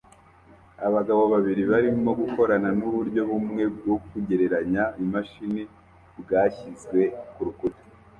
Abagabo babiri barimo gukorana nuburyo bumwe bwo kugereranya imashini bwashyizwe kurukuta